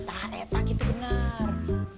tare tak gitu benar